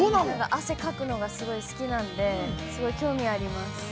汗かくのがすごい好きなんで、すごい興味があります。